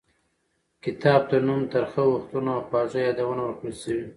کتاب ته نوم ترخه وختونه او خواږه یادونه ورکړل شوی.